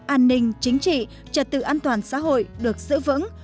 an ninh chính trị trật tự an toàn xã hội được giữ vững